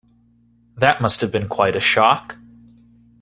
That must have been quite a shock.